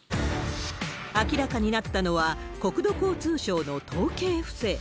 明らかになったのは、国土交通省の統計不正。